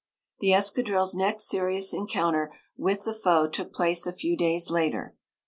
The escadrille's next serious encounter with the foe took place a few days later.